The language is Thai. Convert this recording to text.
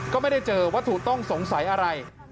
ก็ไม่ได้เจอวัตถุต้องสงสัยอะไร